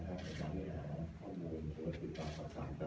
สำหรับเนื้อหาข้อมูลส่วนติดตามของท่าน